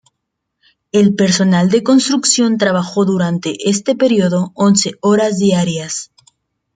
El personal de construcción trabajó durante este período once horas diarias.